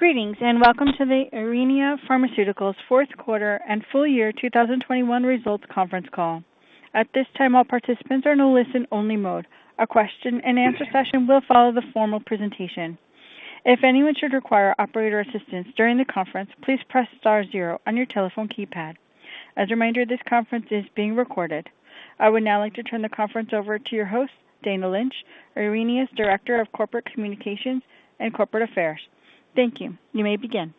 Greetings, and welcome to the Aurinia Pharmaceuticals Fourth Quarter And Full Year 2021 Results Conference Call. At this time, all participants are in a listen-only mode. A question and answer session will follow the formal presentation. If anyone should require operator assistance during the conference, please press star zero on your telephone keypad. As a reminder, this conference is being recorded. I would now like to turn the conference over to your host, Dana Lynch, Aurinia's Director of Corporate Communications and Corporate Affairs. Thank you. You may begin.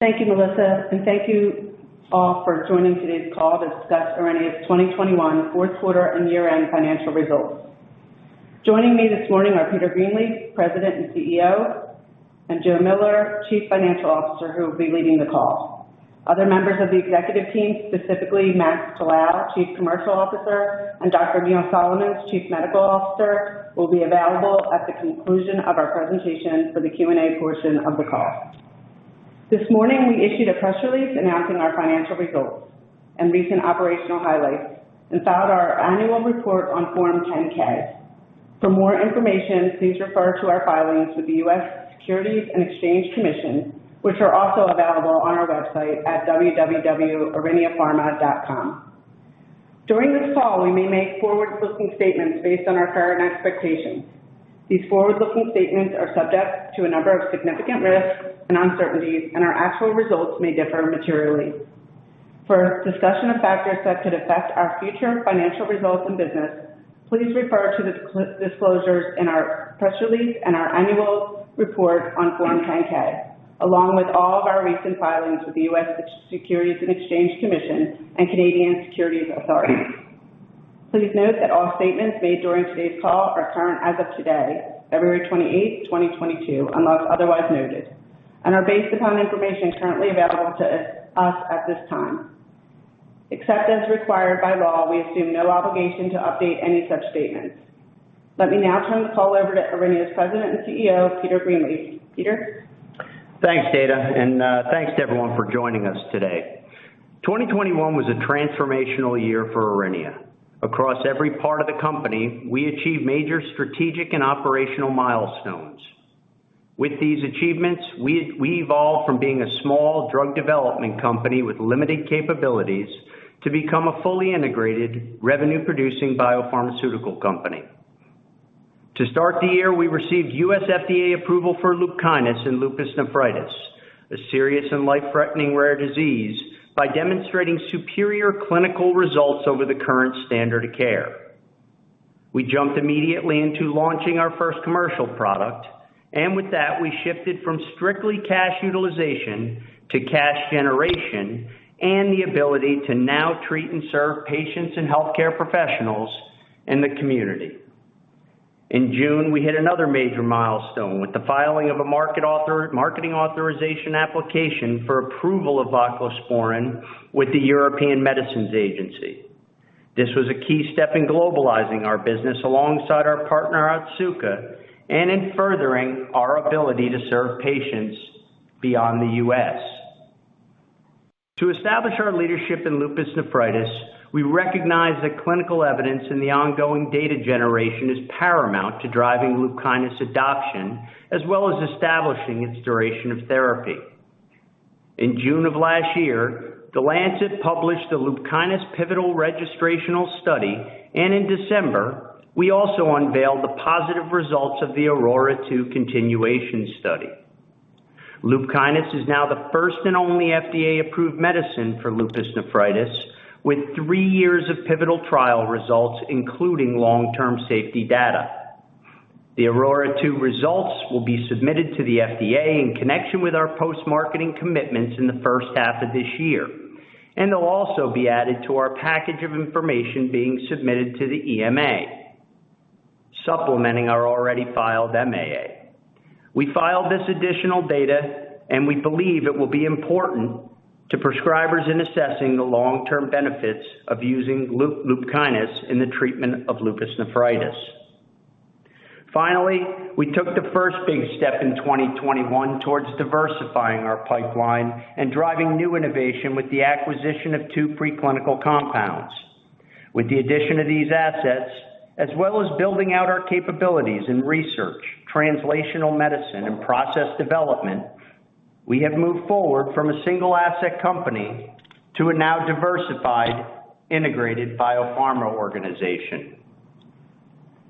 Thank you, Melissa, and thank you all for joining today's call to discuss Aurinia's 2021 fourth quarter and year-end financial results. Joining me this morning are Peter Greenleaf, President and CEO, and Joe Miller, Chief Financial Officer, who will be leading the call. Other members of the executive team, specifically Max Colao, Chief Commercial Officer, and Dr. Neil Solomons, Chief Medical Officer, will be available at the conclusion of our presentation for the Q&A portion of the call. This morning, we issued a press release announcing our financial results and recent operational highlights and filed our annual report on Form 10-K. For more information, please refer to our filings with the U.S. Securities and Exchange Commission, which are also available on our website at www.auriniapharma.com. During this call, we may make forward-looking statements based on our current expectations. These forward-looking statements are subject to a number of significant risks and uncertainties, and our actual results may differ materially. For discussion of factors that could affect our future financial results and business, please refer to the disclosures in our press release and our annual report on Form 10-K, along with all of our recent filings with the U.S. Securities and Exchange Commission and Canadian Securities Administrators. Please note that all statements made during today's call are current as of today, February 28, 2022, unless otherwise noted, and are based upon information currently available to us at this time. Except as required by law, we assume no obligation to update any such statements. Let me now turn the call over to Aurinia's President and CEO, Peter Greenleaf. Peter. Thanks, Dana, and thanks to everyone for joining us today. 2021 was a transformational year for Aurinia. Across every part of the company, we achieved major strategic and operational milestones. With these achievements, we evolved from being a small drug development company with limited capabilities to become a fully integrated revenue-producing biopharmaceutical company. To start the year, we received US FDA approval for LUPKYNIS in lupus nephritis, a serious and life-threatening rare disease, by demonstrating superior clinical results over the current standard of care. We jumped immediately into launching our first commercial product, and with that, we shifted from strictly cash utilization to cash generation and the ability to now treat and serve patients and healthcare professionals in the community. In June, we hit another major milestone with the filing of a marketing authorization application for approval of voclosporin with the European Medicines Agency. This was a key step in globalizing our business alongside our partner, Otsuka, and in furthering our ability to serve patients beyond the U.S. To establish our leadership in lupus nephritis, we recognize that clinical evidence in the ongoing data generation is paramount to driving LUPKYNIS adoption, as well as establishing its duration of therapy. In June of last year, The Lancet published the LUPKYNIS pivotal registrational study, and in December, we also unveiled the positive results of the AURORA 2 continuation study. LUPKYNIS is now the first and only FDA-approved medicine for lupus nephritis, with three years of pivotal trial results, including long-term safety data. The AURORA 2 results will be submitted to the FDA in connection with our post-marketing commitments in the first half of this year, and they'll also be added to our package of information being submitted to the EMA, supplementing our already filed MAA. We filed this additional data, and we believe it will be important to prescribers in assessing the long-term benefits of using LUPKYNIS in the treatment of lupus nephritis. Finally, we took the first big step in 2021 towards diversifying our pipeline and driving new innovation with the acquisition of two pre-clinical compounds. With the addition of these assets, as well as building out our capabilities in research, translational medicine, and process development, we have moved forward from a single asset company to a now diversified integrated biopharma organization.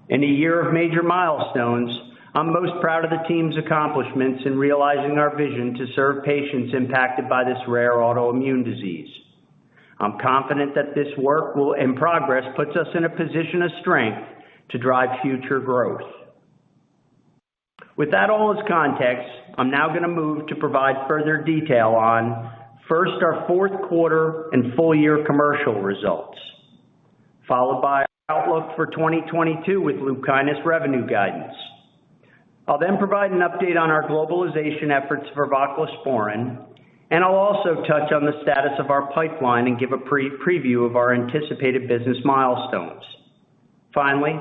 In a year of major milestones, I'm most proud of the team's accomplishments in realizing our vision to serve patients impacted by this rare autoimmune disease. I'm confident that this work will and progress puts us in a position of strength to drive future growth. With that all as context, I'm now gonna move to provide further detail on, first, our fourth quarter and full year commercial results, followed by our outlook for 2022 with LUPKYNIS revenue guidance. I'll then provide an update on our globalization efforts for voclosporin, and I'll also touch on the status of our pipeline and give a pre-preview of our anticipated business milestones. Finally,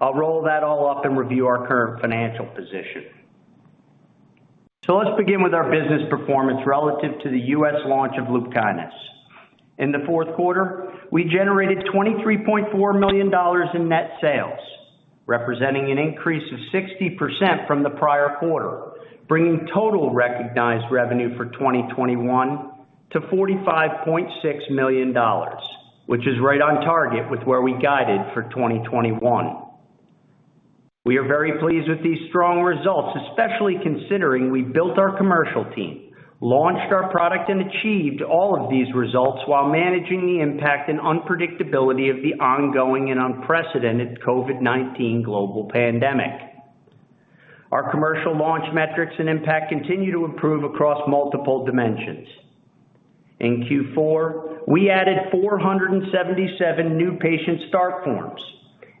I'll roll that all up and review our current financial position. Let's begin with our business performance relative to the U.S. launch of LUPKYNIS. In the fourth quarter, we generated $23.4 million in net sales, representing an increase of 60% from the prior quarter, bringing total recognized revenue for 2021 to $45.6 million, which is right on target with where we guided for 2021. We are very pleased with these strong results, especially considering we built our commercial team, launched our product, and achieved all of these results while managing the impact and unpredictability of the ongoing and unprecedented COVID-19 global pandemic. Our commercial launch metrics and impact continue to improve across multiple dimensions. In Q4, we added 477 new patient start forms,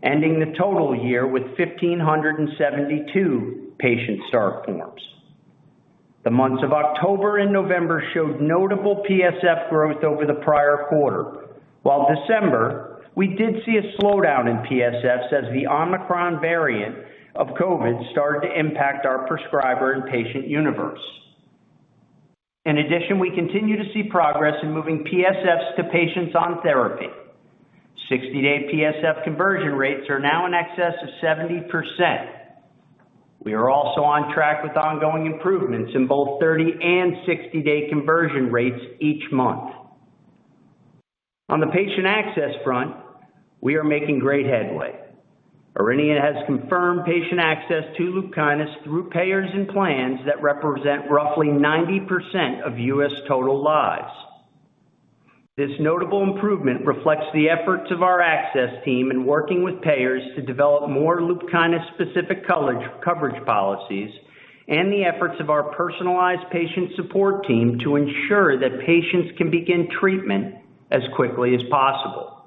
ending the total year with 1,572 patient start forms. The months of October and November showed notable PSF growth over the prior quarter. While December, we did see a slowdown in PSFs as the Omicron variant of COVID started to impact our prescriber and patient universe. In addition, we continue to see progress in moving PSFs to patients on therapy. 60-day PSF conversion rates are now in excess of 70%. We are also on track with ongoing improvements in both 30 and 60-day conversion rates each month. On the patient access front, we are making great headway. Aurinia has confirmed patient access to LUPKYNIS through payers and plans that represent roughly 90% of U.S. total lives. This notable improvement reflects the efforts of our access team in working with payers to develop more LUPKYNIS-specific coverage policies and the efforts of our personalized patient support team to ensure that patients can begin treatment as quickly as possible.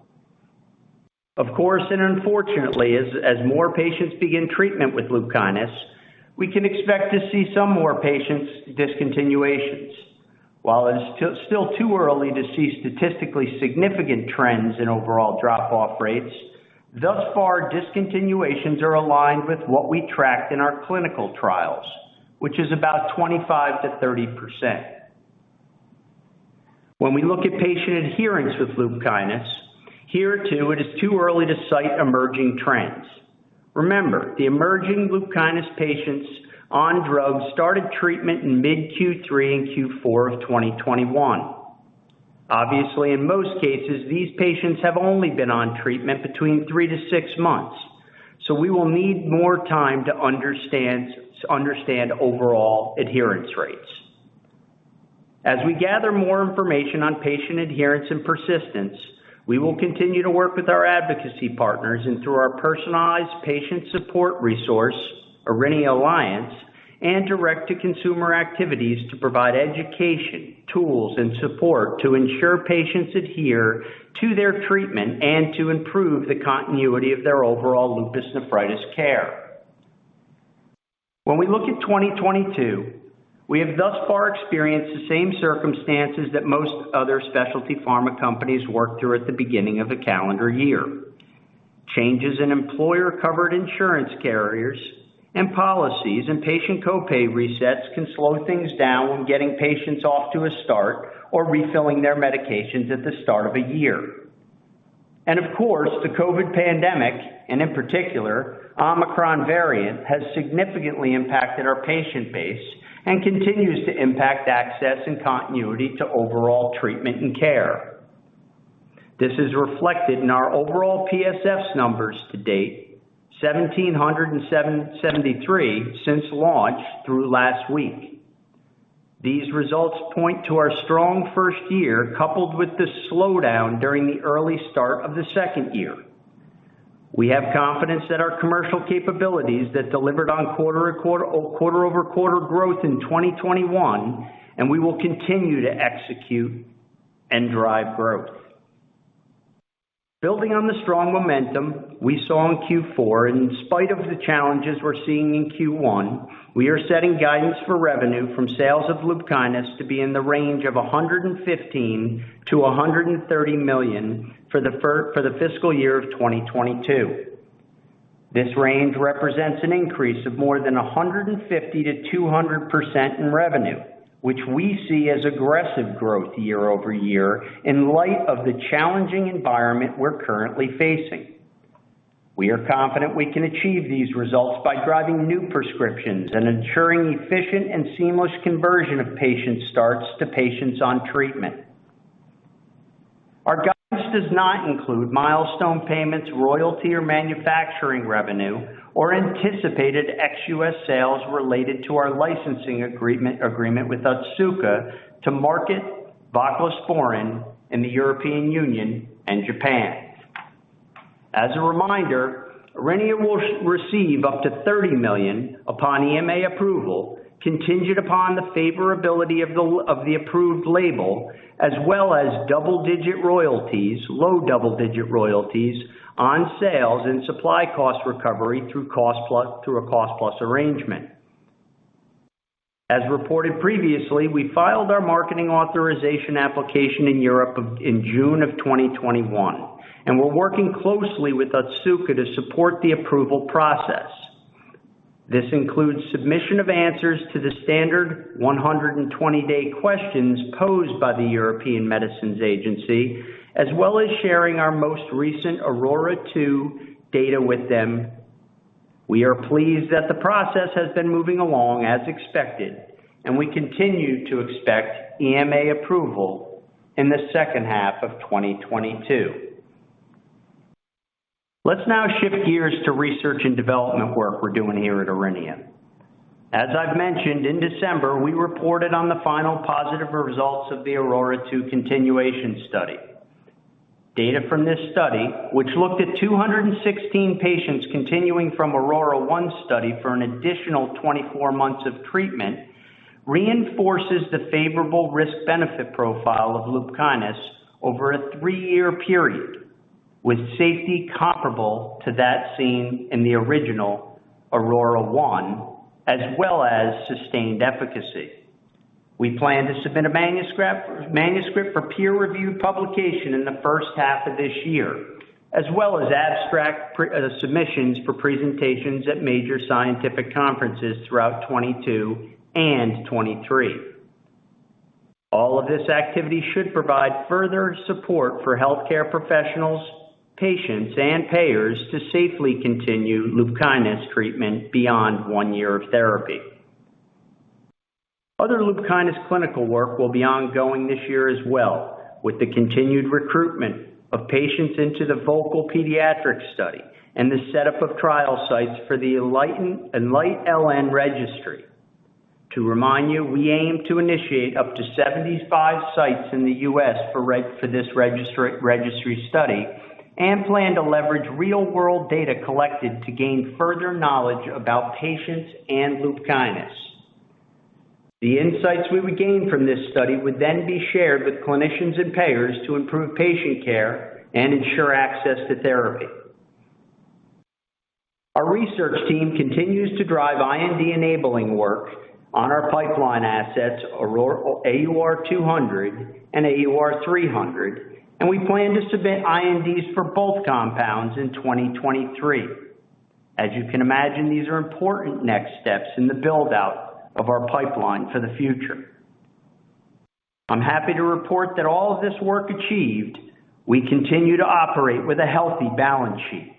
Of course, and unfortunately, as more patients begin treatment with LUPKYNIS, we can expect to see some more patient discontinuations. While it is still too early to see statistically significant trends in overall drop-off rates, thus far, discontinuations are aligned with what we tracked in our clinical trials, which is about 25%-30%. When we look at patient adherence with LUPKYNIS, here too, it is too early to cite emerging trends. Remember, the emerging LUPKYNIS patients on drugs started treatment in mid Q3 and Q4 of 2021. Obviously, in most cases, these patients have only been on treatment between three to six months, so we will need more time to understand overall adherence rates. As we gather more information on patient adherence and persistence, we will continue to work with our advocacy partners and through our personalized patient support resource, Aurinia Alliance, and direct-to-consumer activities to provide education, tools, and support to ensure patients adhere to their treatment and to improve the continuity of their overall lupus nephritis care. When we look at 2022, we have thus far experienced the same circumstances that most other specialty pharma companies work through at the beginning of a calendar year. Changes in employer-covered insurance carriers and policies and patient co-pay resets can slow things down when getting patients off to a start or refilling their medications at the start of a year. Of course, the COVID pandemic, and in particular, the Omicron variant, has significantly impacted our patient base and continues to impact access and continuity to overall treatment and care. This is reflected in our overall PSFs numbers to date, 1,773 since launch through last week. These results point to our strong first year, coupled with the slowdown during the early start of the second year. We have confidence that our commercial capabilities that delivered on quarter-over-quarter growth in 2021, and we will continue to execute and drive growth. Building on the strong momentum we saw in Q4, and in spite of the challenges we're seeing in Q1, we are setting guidance for revenue from sales of LUPKYNIS to be in the range of $115 million-$130 million for the fiscal year 2022. This range represents an increase of more than 150%-200% in revenue, which we see as aggressive growth year-over-year in light of the challenging environment we're currently facing. We are confident we can achieve these results by driving new prescriptions and ensuring efficient and seamless conversion of patient starts to patients on treatment. Our guidance does not include milestone payments, royalty or manufacturing revenue, or anticipated ex-U.S. sales related to our licensing agreement with Otsuka to market voclosporin in the European Union and Japan. As a reminder, Aurinia will receive up to $30 million upon EMA approval, contingent upon the favorability of the approved label, as well as double-digit royalties, low double-digit royalties on sales and supply cost recovery through a cost plus arrangement. As reported previously, we filed our marketing authorization application in Europe in June 2021, and we're working closely with Otsuka to support the approval process. This includes submission of answers to the standard 120-day questions posed by the European Medicines Agency, as well as sharing our most recent AURORA 2 data with them. We are pleased that the process has been moving along as expected, and we continue to expect EMA approval in the second half of 2022. Let's now shift gears to research and development work we're doing here at Aurinia. As I've mentioned, in December, we reported on the final positive results of the AURORA 2 continuation study. Data from this study, which looked at 216 patients continuing from AURORA 1 study for an additional 24 months of treatment, reinforces the favorable risk-benefit profile of LUPKYNIS over a three-year period, with safety comparable to that seen in the original AURORA 1, as well as sustained efficacy. We plan to submit a manuscript for peer review publication in the first half of this year, as well as abstract submissions for presentations at major scientific conferences throughout 2022 and 2023. All of this activity should provide further support for healthcare professionals, patients, and payers to safely continue LUPKYNIS treatment beyond one year of therapy. Other LUPKYNIS clinical work will be ongoing this year as well, with the continued recruitment of patients into the VOCAL pediatric study and the setup of trial sites for the ENLIGHT-LN registry. To remind you, we aim to initiate up to 75 sites in the U.S. for this registry study and plan to leverage real-world data collected to gain further knowledge about patients and LUPKYNIS. The insights we would gain from this study would then be shared with clinicians and payers to improve patient care and ensure access to therapy. Our research team continues to drive IND-enabling work on our pipeline assets, AUR200 and AUR300, and we plan to submit INDs for both compounds in 2023. As you can imagine, these are important next steps in the build-out of our pipeline for the future. I'm happy to report that all of this work achieved, we continue to operate with a healthy balance sheet,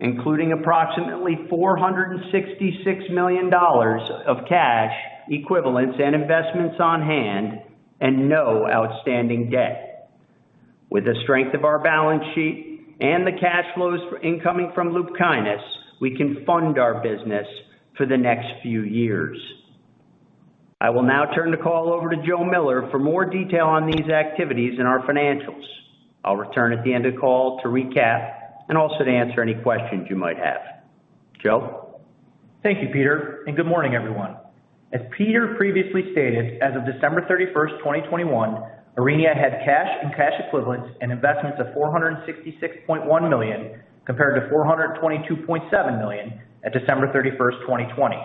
including approximately $466 million of cash equivalents and investments on hand and no outstanding debt. With the strength of our balance sheet and the cash flows incoming from LUPKYNIS, we can fund our business for the next few years. I will now turn the call over to Joe Miller for more detail on these activities and our financials. I'll return at the end of the call to recap and also to answer any questions you might have. Joe? Thank you, Peter, and good morning, everyone. As Peter previously stated, as of December 31st, 2021, Aurinia had cash and cash equivalents and investments of $466.1 million, compared to $422.7 million at December 31st, 2020.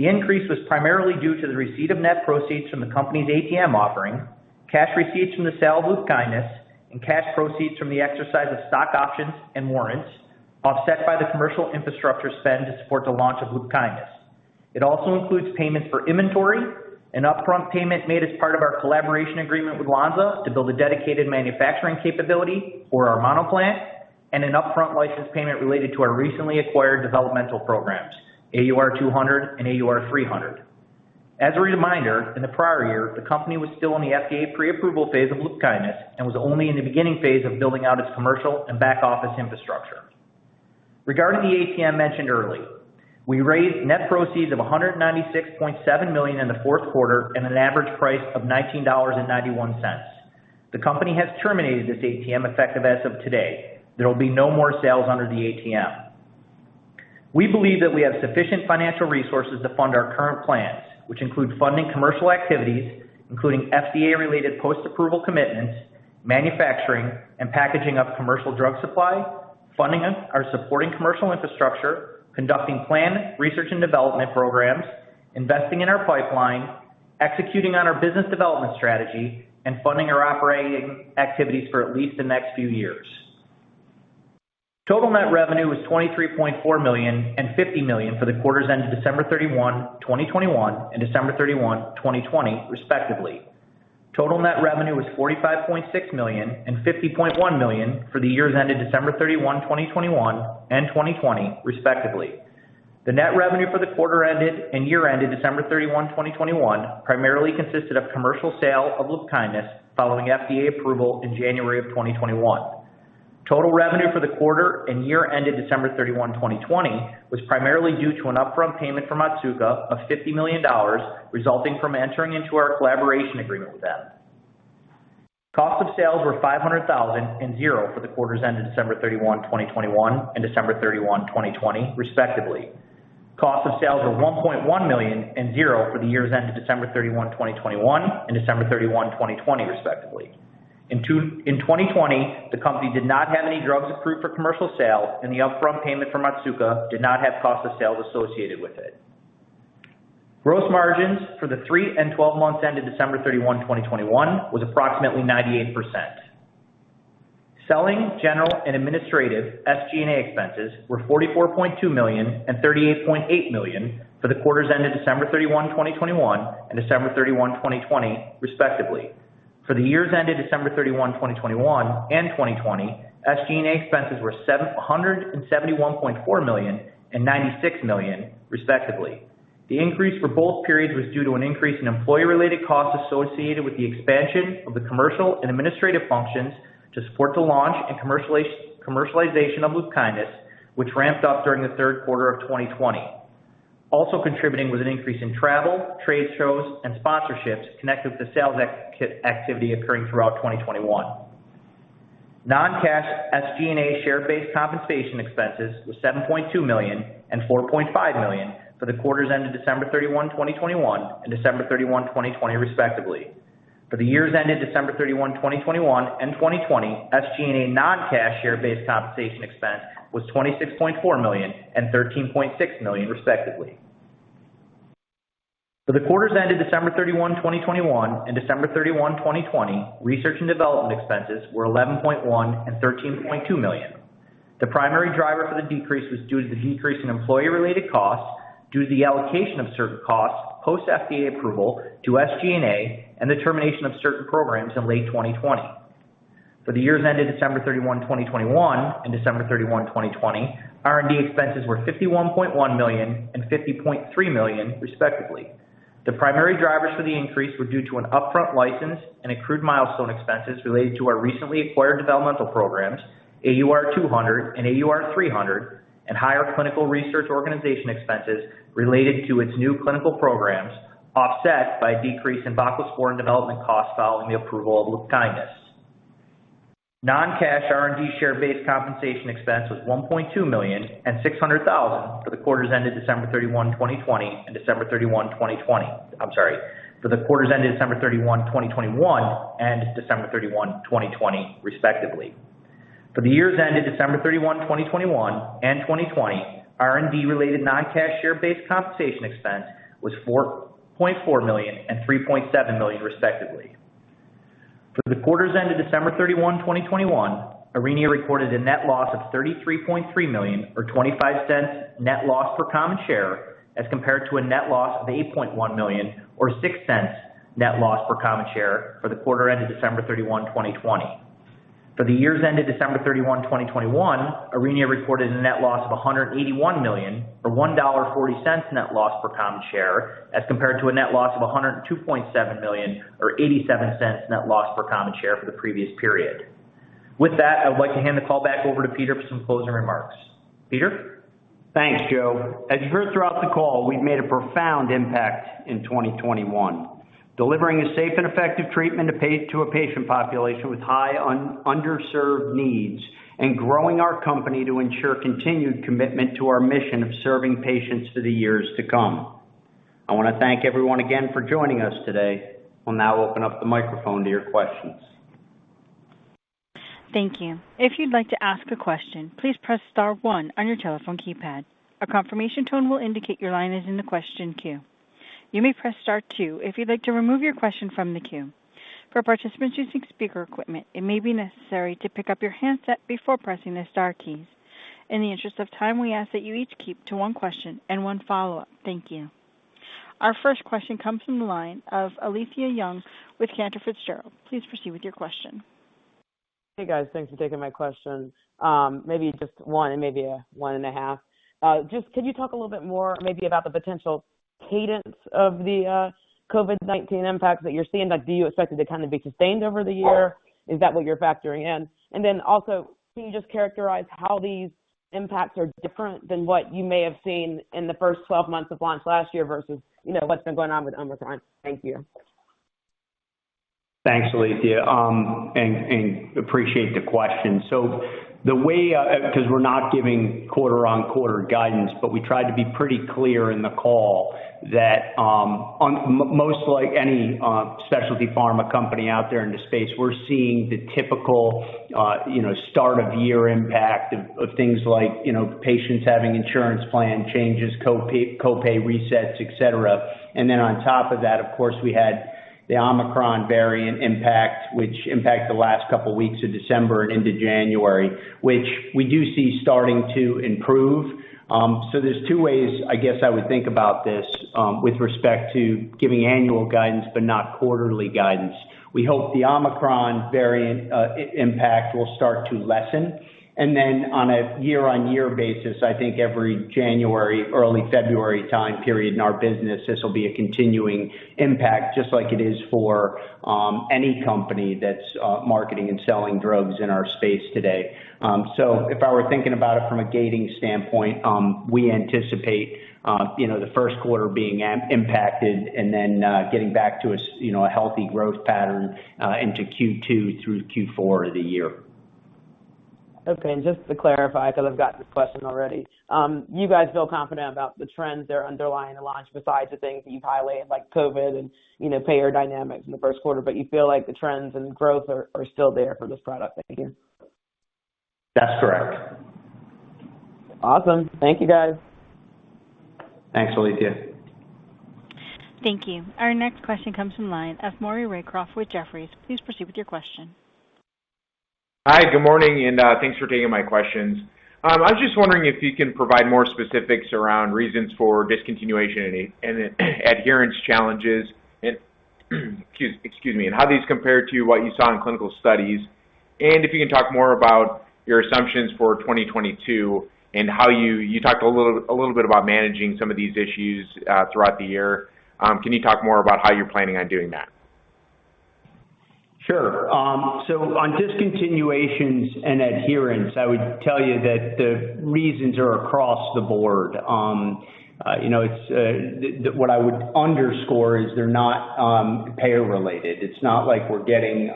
The increase was primarily due to the receipt of net proceeds from the company's ATM offering, cash receipts from the sale of LUPKYNIS, and cash proceeds from the exercise of stock options and warrants, offset by the commercial infrastructure spend to support the launch of LUPKYNIS. It also includes payments for inventory, an upfront payment made as part of our collaboration agreement with Lonza to build a dedicated manufacturing capability for our monoplant, and an upfront license payment related to our recently acquired developmental programs, AUR200 and AUR300. As a reminder, in the prior year, the company was still in the FDA pre-approval phase of LUPKYNIS and was only in the beginning phase of building out its commercial and back-office infrastructure. Regarding the ATM mentioned early, we raised net proceeds of $196.7 million in the fourth quarter and an average price of $19.91. The company has terminated this ATM effective as of today. There will be no more sales under the ATM. We believe that we have sufficient financial resources to fund our current plans, which include funding commercial activities, including FDA-related post-approval commitments, manufacturing, and packaging of commercial drug supply, funding our supporting commercial infrastructure, conducting planned research and development programs, investing in our pipeline, executing on our business development strategy, and funding our operating activities for at least the next few years. Total net revenue was $23.4 million and $50 million for the quarters ended December 31, 2021 and December 31, 2020, respectively. Total net revenue was $45.6 million and $50.1 million for the years ended December 31, 2021 and 2020, respectively. The net revenue for the quarter ended and year ended December 31, 2021, primarily consisted of commercial sale of LUPKYNIS following FDA approval in January 2021. Total revenue for the quarter and year ended December 31, 2020, was primarily due to an upfront payment from Otsuka of $50 million resulting from entering into our collaboration agreement with them. Cost of sales were $500 thousand and $0 for the quarters ended December 31, 2021 and December 31, 2020, respectively. Cost of sales were $1.1 million and $0 for the years ended December 31, 2021 and December 31, 2020, respectively. In 2020, the company did not have any drugs approved for commercial sale, and the upfront payment from Otsuka did not have cost of sales associated with it. Gross margins for the three and 12 months ended December 31, 2021, was approximately 98%. Selling, general, and administrative SG&A expenses were $44.2 million and $38.8 million for the quarters ended December 31, 2021, and December 31, 2020, respectively. For the years ended December 31, 2021, and 2020, SG&A expenses were $171.4 million and $96 million, respectively. The increase for both periods was due to an increase in employee-related costs associated with the expansion of the commercial and administrative functions to support the launch and commercialization of LUPKYNIS, which ramped up during the third quarter of 2020. Also contributing was an increase in travel, trade shows, and sponsorships connected with the sales activity occurring throughout 2021. Non-cash SG&A share-based compensation expenses was $7.2 million and $4.5 million for the quarters ended December 31, 2021, and December 31, 2020, respectively. For the years ended December 31, 2021, and 2020, SG&A non-cash share-based compensation expense was $26.4 million and $13.6 million, respectively. For the quarters ended December 31, 2021, and December 31, 2020, research and development expenses were $11.1 million and $13.2 million. The primary driver for the decrease was due to the decrease in employee-related costs due to the allocation of certain costs post FDA approval to SG&A and the termination of certain programs in late 2020. For the years ended December 31, 2021, and December 31, 2020, R&D expenses were $51.1 million and $50.3 million, respectively. The primary drivers for the increase were due to an upfront license and accrued milestone expenses related to our recently acquired developmental programs, AUR200 and AUR300, and higher clinical research organization expenses related to its new clinical programs, offset by a decrease in voclosporin development costs following the approval of LUPKYNIS. Non-cash R&D share-based compensation expense was $1.2 million and $600,000 for the quarters ended December 31, 2021, and December 31, 2020. I'm sorry. For the quarters ended December 31, 2021, and December 31, 2020, respectively. For the years ended December 31, 2021, and 2020, R&D related non-cash share-based compensation expense was $4.4 million and $3.7 million, respectively. For the quarter ended December 31, 2021, Aurinia reported a net loss of $33.3 million or $0.25 net loss per common share, as compared to a net loss of $8.1 million or $0.06 net loss per common share for the quarter ended December 31, 2020. For the year ended December 31, 2021, Aurinia reported a net loss of $181 million, or $1.40 net loss per common share, as compared to a net loss of $102.7 million, or $0.87 net loss per common share for the previous period. With that, I would like to hand the call back over to Peter for some closing remarks. Peter? Thanks, Joe. As you heard throughout the call, we've made a profound impact in 2021, delivering a safe and effective treatment to a patient population with high underserved needs and growing our company to ensure continued commitment to our mission of serving patients for the years to come. I wanna thank everyone again for joining us today. We'll now open up the microphone to your questions. Thank you. If you'd like to ask a question, please press star one on your telephone keypad. A confirmation tone will indicate your line is in the question queue. You may press star two if you'd like to remove your question from the queue. For participants using speaker equipment, it may be necessary to pick up your handset before pressing the star keys. In the interest of time, we ask that you each keep to one question and one follow-up. Thank you. Our first question comes from the line of Alethia Young with Cantor Fitzgerald. Please proceed with your question. Hey, guys. Thanks for taking my question. Maybe just one and maybe a one and a half. Just could you talk a little bit more maybe about the potential cadence of the COVID-19 impact that you're seeing? Like, do you expect it to kinda be sustained over the year? Is that what you're factoring in? And then also, can you just characterize how these impacts are different than what you may have seen in the first 12 months of launch last year versus, you know, what's been going on with Omicron? Thank you. Thanks, Alethia, and appreciate the question. The way, 'cause we're not giving quarter-on-quarter guidance, but we tried to be pretty clear in the call that, most like any, you know, specialty pharma company out there in the space, we're seeing the typical, you know, start of year impact of things like, you know, patients having insurance plan changes, copay resets, etc. Then on top of that, of course, we had the Omicron variant impact, which impacted the last couple weeks of December and into January, which we do see starting to improve. There's two ways, I guess, I would think about this, with respect to giving annual guidance but not quarterly guidance. We hope the Omicron variant impact will start to lessen. On a year-on-year basis, I think every January, early February time period in our business, this will be a continuing impact, just like it is for any company that's marketing and selling drugs in our space today. If I were thinking about it from a gating standpoint, we anticipate you know the first quarter being impacted and then getting back to a strong you know a healthy growth pattern into Q2 through Q4 of the year. Okay. Just to clarify, 'cause I've gotten this question already. You guys feel confident about the trends that are underlying the launch besides the things that you've highlighted, like COVID and, you know, payer dynamics in the first quarter, but you feel like the trends and growth are still there for this product. Thank you. That's correct. Awesome. Thank you, guys. Thanks, Alethea. Thank you. Our next question comes from the line of Maury Raycroft with Jefferies. Please proceed with your question. Hi, good morning, and thanks for taking my questions. I was just wondering if you can provide more specifics around reasons for discontinuation and adherence challenges. Excuse me. How these compare to what you saw in clinical studies, and if you can talk more about your assumptions for 2022 and how you talked a little bit about managing some of these issues throughout the year. Can you talk more about how you're planning on doing that? Sure. On discontinuations and adherence, I would tell you that the reasons are across the board. You know, what I would underscore is they're not payer-related. It's not like we're getting,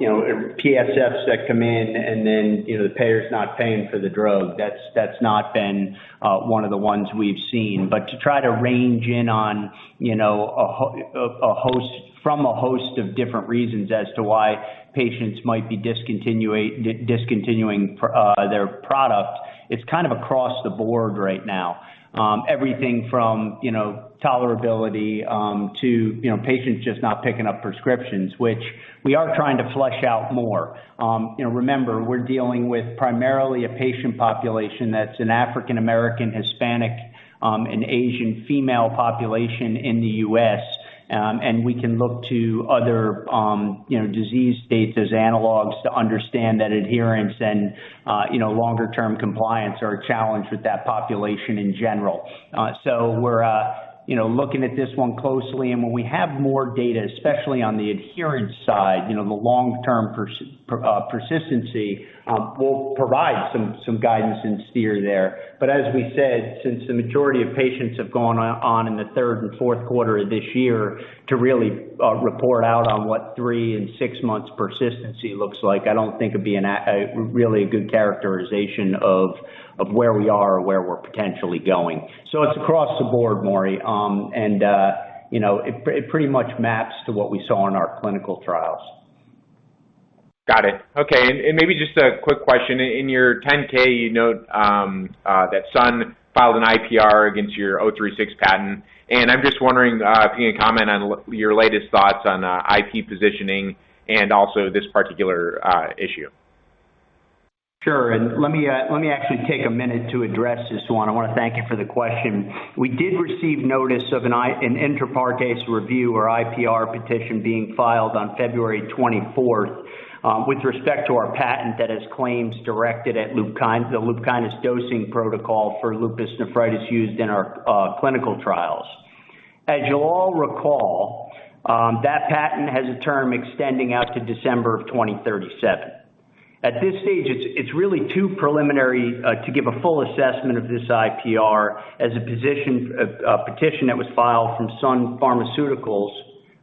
you know, PSFs that come in and then, you know, the payer is not paying for the drug. That's not been one of the ones we've seen. To try to range in on, you know, from a host of different reasons as to why patients might be discontinuing their product. It's kind of across the board right now. Everything from, you know, tolerability to, you know, patients just not picking up prescriptions, which we are trying to flesh out more. You know, remember, we're dealing with primarily a patient population that's an African American, Hispanic, and Asian female population in the U.S. We can look to other, you know, disease states as analogs to understand that adherence and, you know, longer term compliance are a challenge with that population in general. We're, you know, looking at this one closely, and when we have more data, especially on the adherence side, you know, the long-term persistency, we'll provide some guidance and steer there. As we said, since the majority of patients have gone on in the third and fourth quarter of this year to really report out on what three and six months persistency looks like, I don't think it'd be really a good characterization of where we are or where we're potentially going. It's across the board, Maury. You know, it pretty much maps to what we saw in our clinical trials. Got it. Okay. Maybe just a quick question. In your 10-K, you note that Sun filed an IPR against your 036 patent. I'm just wondering if you can comment on your latest thoughts on IP positioning and also this particular issue. Sure. Let me actually take a minute to address this one. I want to thank you for the question. We did receive notice of an inter partes review or IPR petition being filed on February 24, with respect to our patent that has claims directed at LUPKYNIS, the LUPKYNIS dosing protocol for lupus nephritis used in our clinical trials. As you'll all recall, that patent has a term extending out to December 2037. At this stage, it's really too preliminary to give a full assessment of this IPR as a petition that was filed from Sun Pharmaceuticals,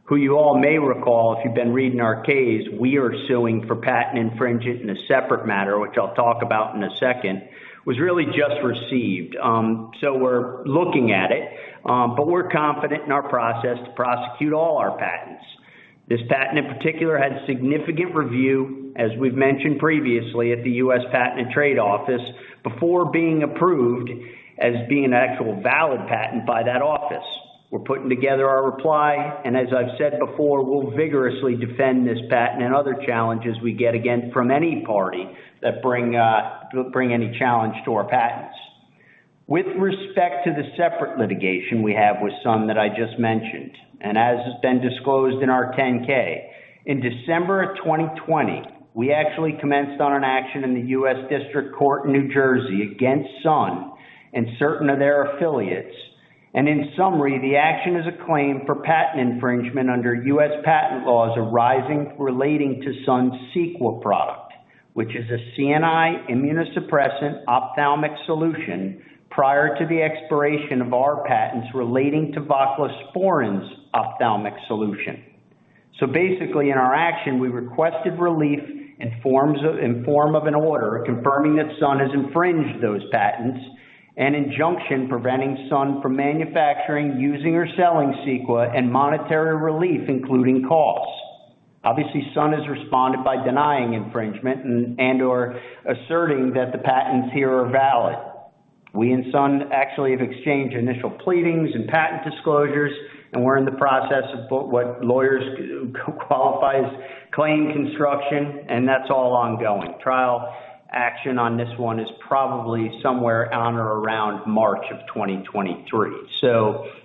who you all may recall, if you've been reading our case, we are suing for patent infringement in a separate matter, which I'll talk about in a second, was really just received. We're looking at it, but we're confident in our process to prosecute all our patents. This patent, in particular, had significant review, as we've mentioned previously at the U.S. Patent and Trademark Office, before being approved as being an actual valid patent by that office. We're putting together our reply, and as I've said before, we'll vigorously defend this patent and other challenges we get again from any party that bring any challenge to our patents. With respect to the separate litigation we have with Sun that I just mentioned, and as has been disclosed in our 10-K, in December of 2020, we actually commenced an action in the U.S. District Court in New Jersey against Sun and certain of their affiliates. In summary, the action is a claim for patent infringement under U.S. patent laws arising relating to Sun's CEQUA product, which is a CNI immunosuppressant ophthalmic solution prior to the expiration of our patents relating to voclosporin's ophthalmic solution. Basically, in our action, we requested relief in form of an order confirming that Sun has infringed those patents and injunction preventing Sun from manufacturing, using or selling CEQUA and monetary relief, including costs. Obviously, Sun has responded by denying infringement and or asserting that the patents here are valid. We and Sun actually have exchanged initial pleadings and patent disclosures, and we're in the process of what lawyers call claim construction, and that's all ongoing. Trial action on this one is probably somewhere on or around March 2023.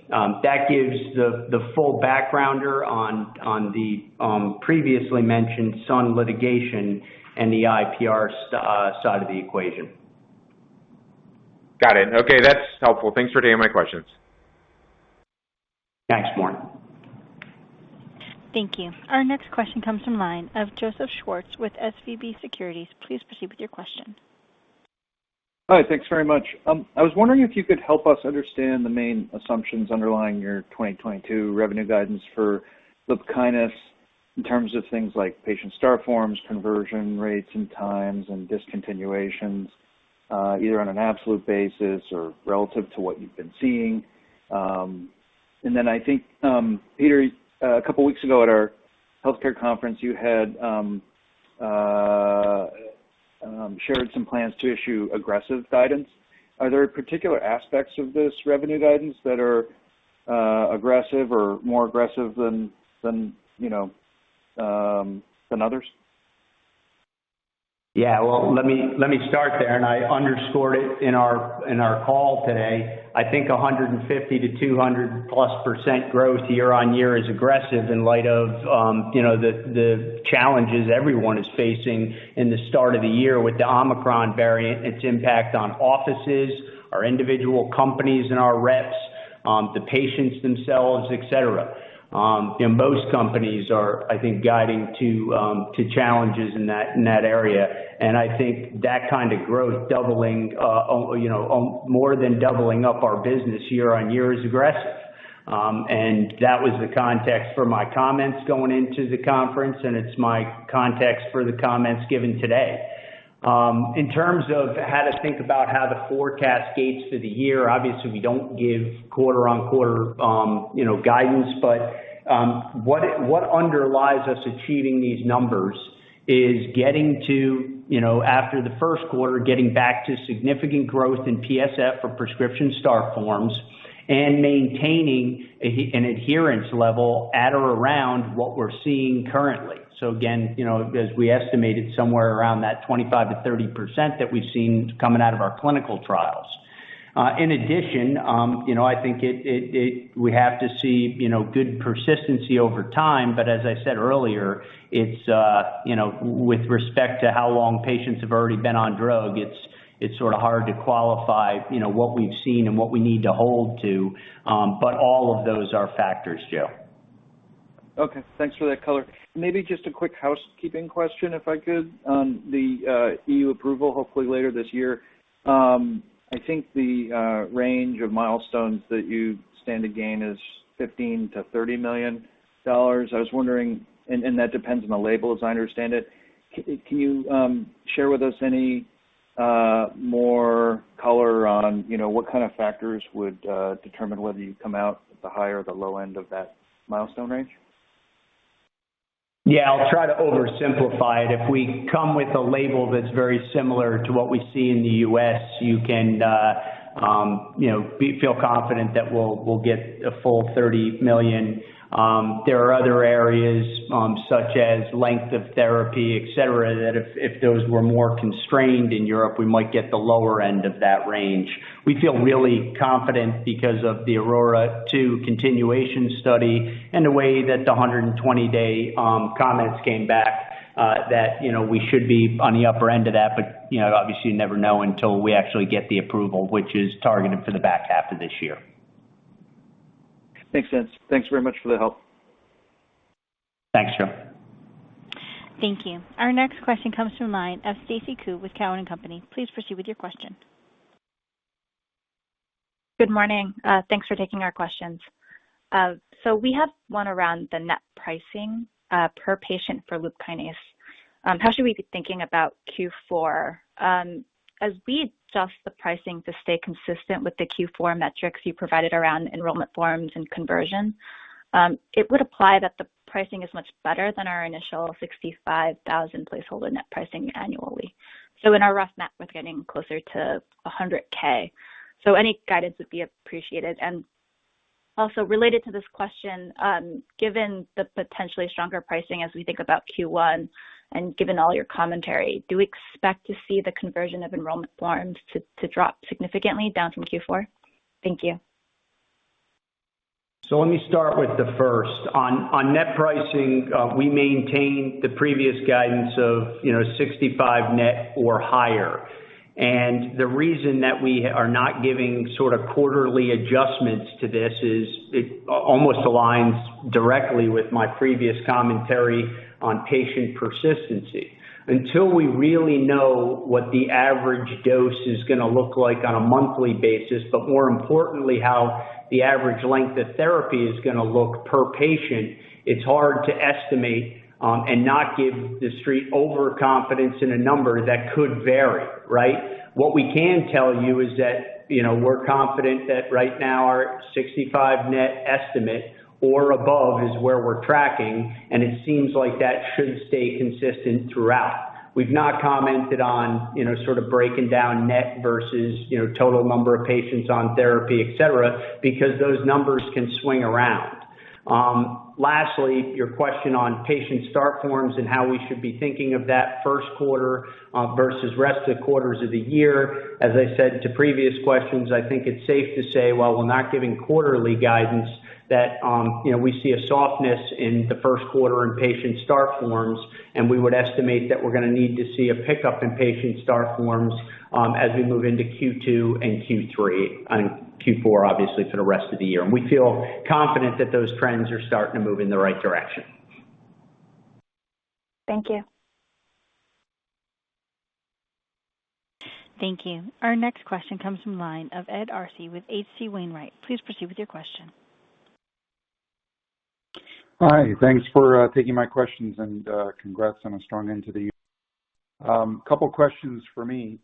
That gives the full backgrounder on the previously mentioned Sun litigation and the IPR side of the equation. Got it. Okay, that's helpful. Thanks for taking my questions. Thanks, Maury. Thank you. Our next question comes from line of Joseph Schwartz with SVB Securities. Please proceed with your question. Hi, thanks very much. I was wondering if you could help us understand the main assumptions underlying your 2022 revenue guidance for LUPKYNIS in terms of things like patient start forms, conversion rates and times, and discontinuations, either on an absolute basis or relative to what you've been seeing. I think, Peter, a couple weeks ago at our healthcare conference, you had shared some plans to issue aggressive guidance. Are there particular aspects of this revenue guidance that are aggressive or more aggressive than, you know, others? Yeah. Well, let me start there, and I underscored it in our call today. I think 150%-200+% growth year-on-year is aggressive in light of you know the challenges everyone is facing in the start of the year with the Omicron variant, its impact on offices or individual companies and our reps, the patients themselves, et cetera. Most companies are I think guiding to challenges in that area. I think that kind of growth doubling you know more than doubling our business year-on-year is aggressive. That was the context for my comments going into the conference, and it's my context for the comments given today. In terms of how to think about how the forecast gets through the year, obviously we don't give quarter-over-quarter, you know, guidance. What underlies us achieving these numbers is getting to, you know, after the first quarter, getting back to significant growth in PSF or prescription start forms and maintaining an adherence level at or around what we're seeing currently. Again, you know, as we estimated somewhere around that 25%-30% that we've seen coming out of our clinical trials. In addition, you know, I think we have to see, you know, good persistency over time. As I said earlier, it's, you know, with respect to how long patients have already been on drug, it's sort of hard to qualify, you know, what we've seen and what we need to hold to. All of those are factors, Joe. Okay, thanks for that color. Maybe just a quick housekeeping question, if I could, on the EU approval, hopefully later this year. I think the range of milestones that you stand to gain is $15 million-$30 million. I was wondering, and that depends on the label, as I understand it. Can you share with us any more color on, you know, what kind of factors would determine whether you come out at the high or the low end of that milestone range? Yeah, I'll try to oversimplify it. If we come with a label that's very similar to what we see in the U.S., you can, you know, feel confident that we'll get a full $30 million. There are other areas, such as length of therapy, et cetera, that if those were more constrained in Europe, we might get the lower end of that range. We feel really confident because of the AURORA 2 continuation study and the way that the 120-day comments came back, that, you know, we should be on the upper end of that. You know, obviously you never know until we actually get the approval, which is targeted for the back half of this year. Makes sense. Thanks very much for the help. Thanks, Joe. Thank you. Our next question comes from line of Stacy Ku with Cowen and Company. Please proceed with your question. Good morning. Thanks for taking our questions. We have one around the net pricing per patient for LUPKYNIS. How should we be thinking about Q4? As we adjust the pricing to stay consistent with the Q4 metrics you provided around enrollment forms and conversion, it would imply that the pricing is much better than our initial $65,000 placeholder net pricing annually. In our rough math, we're getting closer to $100,000. Any guidance would be appreciated. Also related to this question, given the potentially stronger pricing as we think about Q1 and given all your commentary, do we expect to see the conversion of enrollment forms to drop significantly down from Q4? Thank you. Let me start with the first. On net pricing, we maintain the previous guidance of $65 net or higher. The reason that we are not giving sort of quarterly adjustments to this is it almost aligns directly with my previous commentary on patient persistency. Until we really know what the average dose is gonna look like on a monthly basis, but more importantly, how the average length of therapy is gonna look per patient, it's hard to estimate and not give the street overconfidence in a number that could vary, right? What we can tell you is that, we're confident that right now our $65 net estimate or above is where we're tracking, and it seems like that should stay consistent throughout. We've not commented on, you know, sort of breaking down net versus, you know, total number of patients on therapy, et cetera, because those numbers can swing around. Lastly, your question on patient start forms and how we should be thinking of that first quarter versus rest of the quarters of the year. As I said to previous questions, I think it's safe to say, while we're not giving quarterly guidance, that, you know, we see a softness in the first quarter in patient start forms, and we would estimate that we're gonna need to see a pickup in patient start forms as we move into Q2 and Q3 and Q4, obviously for the rest of the year. We feel confident that those trends are starting to move in the right direction. Thank you. Thank you. Our next question comes from the line of Ed Arce with H.C. Wainwright. Please proceed with your question. Hi. Thanks for taking my questions and congrats on a strong end to the year. Couple questions for me.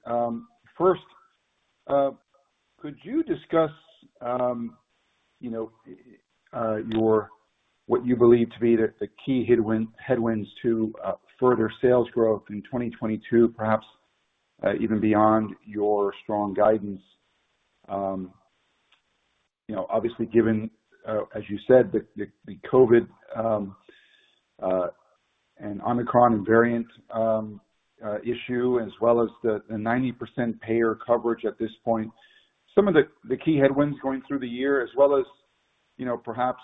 First- Could you discuss, you know, what you believe to be the key headwinds to further sales growth in 2022, perhaps even beyond your strong guidance? You know, obviously given, as you said, the COVID and Omicron variant issue as well as the 90% payer coverage at this point. Some of the key headwinds going through the year as well as, you know, perhaps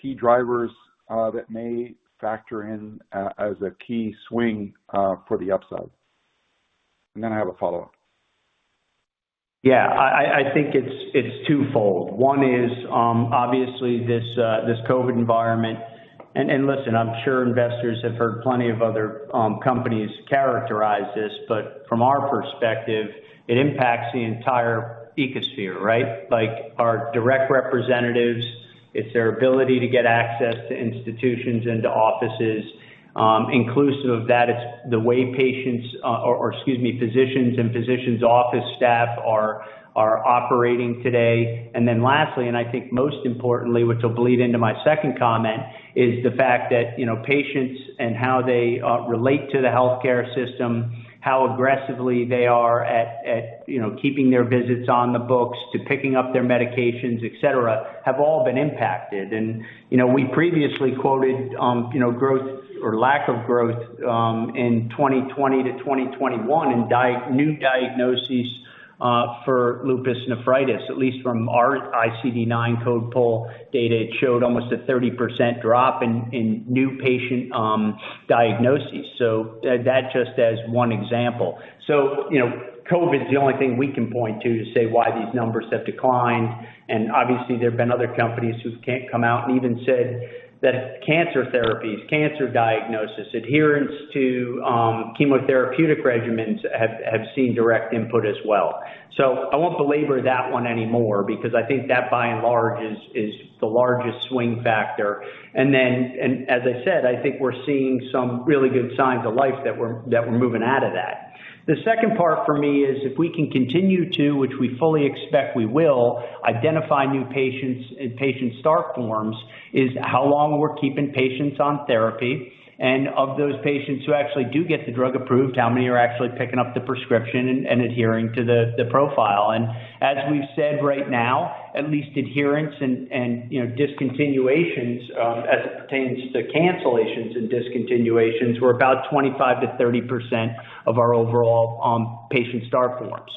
key drivers that may factor in as a key swing for the upside. I have a follow-up. Yeah. I think it's twofold. One is obviously this COVID environment. Listen, I'm sure investors have heard plenty of other companies characterize this, but from our perspective, it impacts the entire ecosphere, right? Like, our direct representatives, it's their ability to get access to institutions and to offices. Inclusive of that, it's the way patients, or excuse me, physicians and physicians office staff are operating today. Then lastly, and I think most importantly, which will bleed into my second comment, is the fact that, you know, patients and how they relate to the healthcare system, how aggressively they are at, you know, keeping their visits on the books to picking up their medications, et cetera, have all been impacted. You know, we previously quoted, you know, growth or lack of growth in 2020 to 2021 in new diagnoses for lupus nephritis, at least from our ICD-9 code poll data. It showed almost a 30% drop in new patient diagnoses. That just as one example. You know, COVID is the only thing we can point to to say why these numbers have declined. Obviously, there have been other companies who've come out and even said that cancer therapies, cancer diagnosis, adherence to chemotherapeutic regimens have seen direct impact as well. I won't belabor that one anymore because I think that by and large is the largest swing factor. As I said, I think we're seeing some really good signs of life that we're moving out of that. The second part for me is if we can continue to, which we fully expect we will, identify new patients and patient start forms, is how long we're keeping patients on therapy. Of those patients who actually do get the drug approved, how many are actually picking up the prescription and adhering to the profile. As we've said right now, at least adherence and you know discontinuations as it pertains to cancellations and discontinuations were about 25%-30% of our overall patient start forms.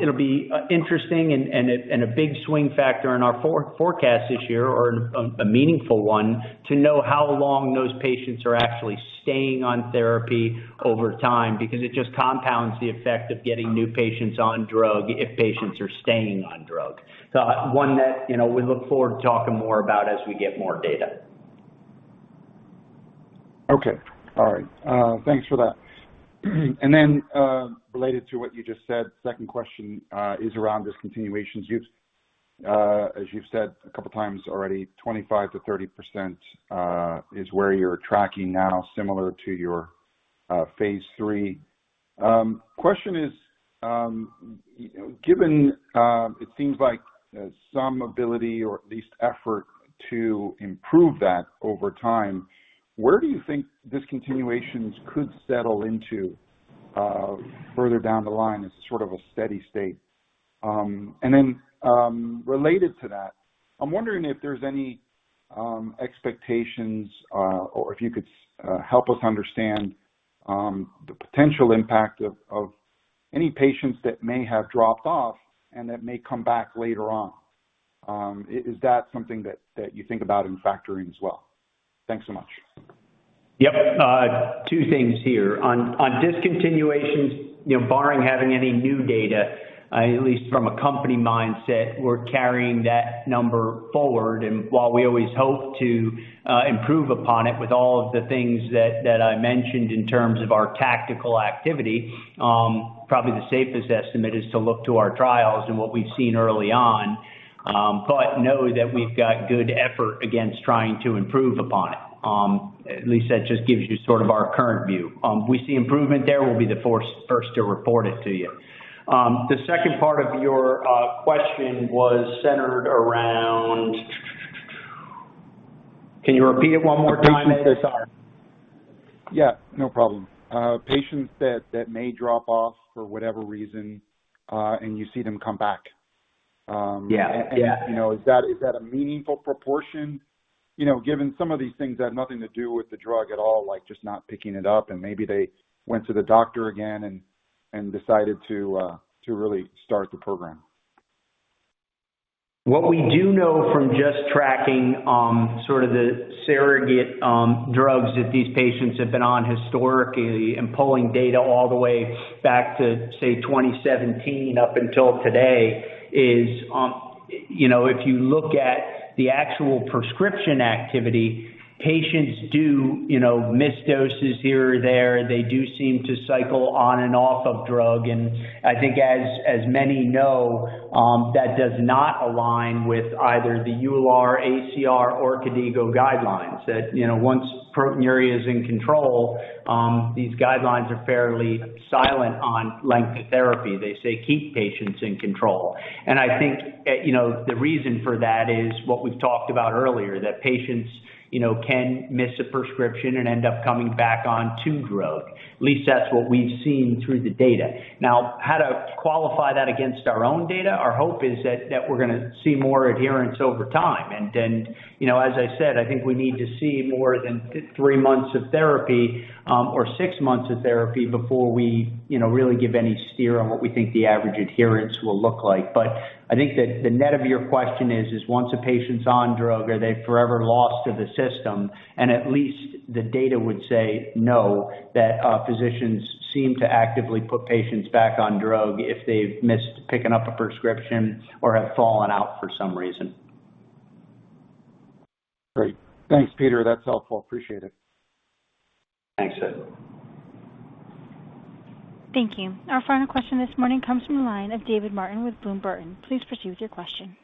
It'll be interesting and a big swing factor in our forecast this year or a meaningful one to know how long those patients are actually staying on therapy over time because it just compounds the effect of getting new patients on drug if patients are staying on drug. One that, you know, we look forward to talking more about as we get more data. Okay. All right. Thanks for that. Related to what you just said, second question is around discontinuations. You've, as you've said a couple of times already, 25%-30% is where you're tracking now, similar to your phase III. Question is, you know, given it seems like some ability or at least effort to improve that over time, where do you think discontinuations could settle into further down the line as sort of a steady state? Related to that, I'm wondering if there's any expectations or if you could help us understand the potential impact of any patients that may have dropped off and that may come back later on. Is that something that you think about in factoring as well? Thanks so much. Yep. Two things here. On discontinuations, barring having any new data, at least from a company mindset, we're carrying that number forward. While we always hope to improve upon it with all of the things that I mentioned in terms of our tactical activity, probably the safest estimate is to look to our trials and what we've seen early on, but know that we've got good effort against trying to improve upon it. At least that just gives you sort of our current view. We see improvement there, we'll be the first to report it to you. The second part of your question was centered around. Can you repeat it one more time? Yeah, no problem. Patients that may drop off for whatever reason, and you see them come back. Yeah. Yeah. you know, is that a meaningful proportion? You know, given some of these things had nothing to do with the drug at all, like just not picking it up, and maybe they went to the doctor again and decided to really start the program. What we do know from just tracking sort of the surrogate drugs that these patients have been on historically and pulling data all the way back to, say, 2017 up until today is, you know, if you look at the actual prescription activity, patients do, you know, miss doses here or there. They do seem to cycle on and off of the drug. I think as many know, that does not align with either the EULAR, ACR or KDIGO guidelines that, you know, once proteinuria is in control, these guidelines are fairly silent on length of therapy. They say, "Keep patients in control." I think, you know, the reason for that is what we've talked about earlier, that patients, you know, can miss a prescription and end up coming back on the drug. At least that's what we've seen through the data. Now, how to qualify that against our own data, our hope is that we're gonna see more adherence over time. Then, you know, as I said, I think we need to see more than three months of therapy or six months of therapy before we, you know, really give any steer on what we think the average adherence will look like. I think that the net of your question is once a patient's on drug, are they forever lost to the system? At least the data would say no, that physicians seem to actively put patients back on drug if they've missed picking up a prescription or have fallen out for some reason. Great. Thanks, Peter. That's helpful. Appreciate it. Thanks, Ed. Thank you. Our final question this morning comes from the line of David Martin with Bloom Burton. Please proceed with your question.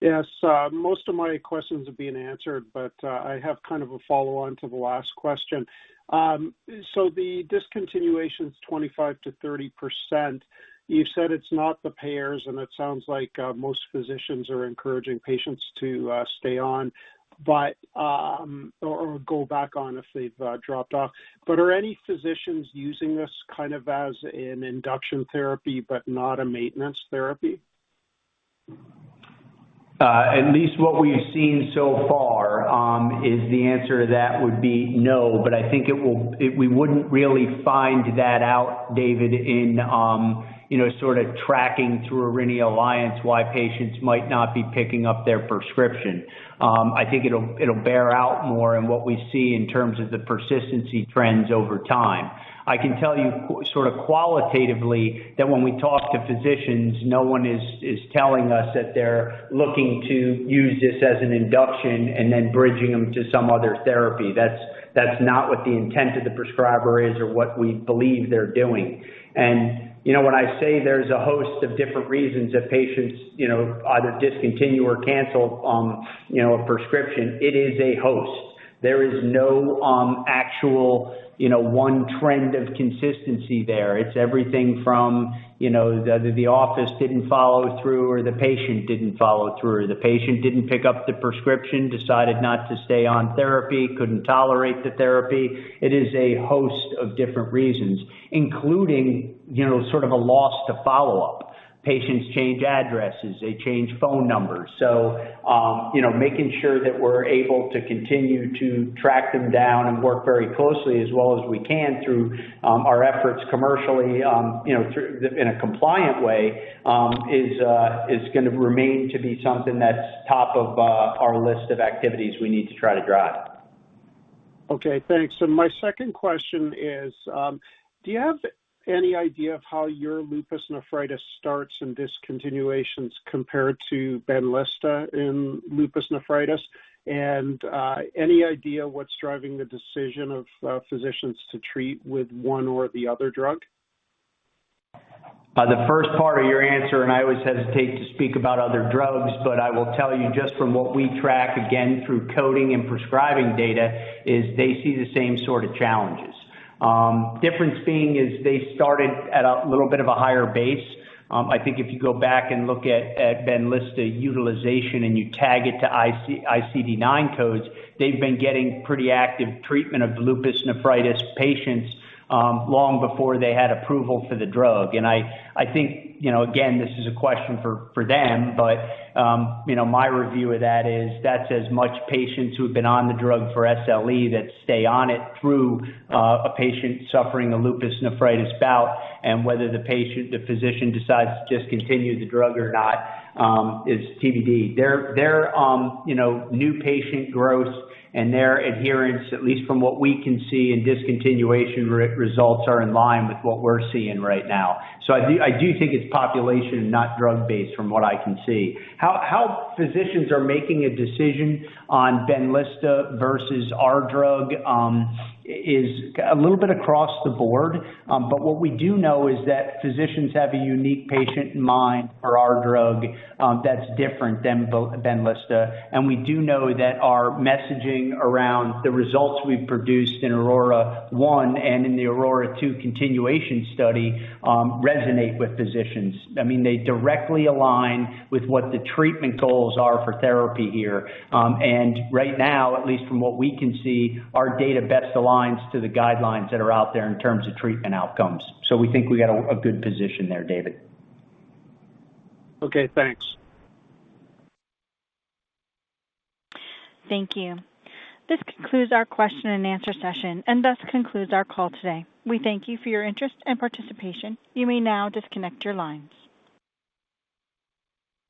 Yes. Most of my questions have been answered, but I have kind of a follow-on to the last question. So the discontinuation is 25%-30%. You've said it's not the payers, and it sounds like most physicians are encouraging patients to stay on, or go back on if they've dropped off. Are any physicians using this kind of as an induction therapy but not a maintenance therapy? At least what we've seen so far is the answer to that would be no. I think it will. We wouldn't really find that out, David, in you know, sort of tracking through Aurinia Alliance why patients might not be picking up their prescription. I think it'll bear out more in what we see in terms of the persistency trends over time. I can tell you sort of qualitatively that when we talk to physicians, no one is telling us that they're looking to use this as an induction and then bridging them to some other therapy. That's not what the intent of the prescriber is or what we believe they're doing. You know, when I say there's a host of different reasons that patients you know, either discontinue or cancel you know, a prescription, it is a host. There is no actual, you know, one trend of consistency there. It's everything from, you know, the office didn't follow through or the patient didn't follow through, or the patient didn't pick up the prescription, decided not to stay on therapy, couldn't tolerate the therapy. It is a host of different reasons, including, you know, sort of a loss to follow-up. Patients change addresses, they change phone numbers. You know, making sure that we're able to continue to track them down and work very closely as well as we can through our efforts commercially, you know, through in a compliant way, is gonna remain to be something that's top of our list of activities we need to try to drive. Okay, thanks. My second question is, do you have any idea of how your LUPKYNIS starts and discontinuations compare to BENLYSTA in lupus nephritis? Any idea what's driving the decision of physicians to treat with one or the other drug? The first part of your answer. I always hesitate to speak about other drugs, but I will tell you just from what we track, again, through coding and prescribing data, is they see the same sort of challenges. Difference being is they started at a little bit of a higher base. I think if you go back and look at BENLYSTA utilization and you tag it to ICD-9 codes, they've been getting pretty active treatment of lupus nephritis patients long before they had approval for the drug. I think, you know, again, this is a question for them, but, you know, my review of that is that's about patients who have been on the drug for SLE that stay on it through a lupus nephritis bout and whether the patient, the physician decides to discontinue the drug or not is TBD. Their, you know, new patient growth and their adherence, at least from what we can see, and discontinuation results are in line with what we're seeing right now. I do think it's population and not drug-based from what I can see. How physicians are making a decision on BENLYSTA versus our drug is a little bit across the board. What we do know is that physicians have a unique patient in mind for our drug, that's different than BENLYSTA. We do know that our messaging around the results we've produced in AURORA 1 and in the AURORA 2 continuation study resonate with physicians. I mean, they directly align with what the treatment goals are for therapy here. Right now, at least from what we can see, our data best aligns to the guidelines that are out there in terms of treatment outcomes. We think we got a good position there, David. Okay, thanks. Thank you. This concludes our question and answer session and thus concludes our call today. We thank you for your interest and participation. You may now disconnect your lines.